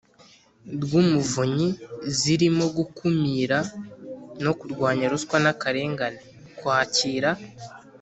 Rw umuvunyi zirimo gukumira no kurwanya ruswa n akarengane kwakira